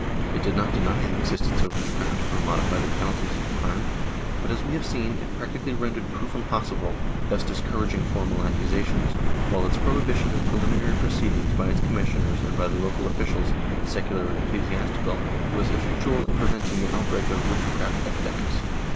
It did not deny the existence of witchcraft, or modify the penalties of the crime but, as we have seen, it practically rendered proof impossi ble, thus discouraging formal accusations, while its prohibition of preliminary proceedings by its commissioners and by the local officials, secular and ecclesiastical, was effectual in preventing the outbreak of witchcraft epidemics.